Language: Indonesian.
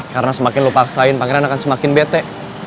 karena semakin lo paksain pangeran akan semakin bete